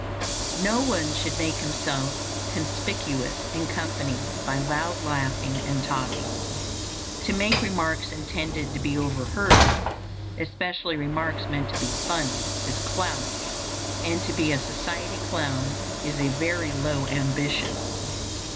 No one should make himself conspicuous in company by loud laughing and talking. To make remarks intended to be overheard, especially remarks meant to be funny, is clownish, and to be a society clown is a very low ambition.